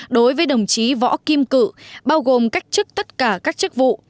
đối với đồng chí võ kim cự bao gồm cách chức tất cả các chức vụ